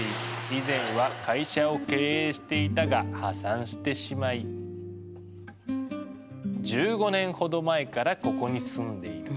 以前は会社を経営していたが破産してしまい１５年ほど前からここに住んでいる。